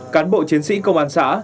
cán bộ chiến sĩ công an xã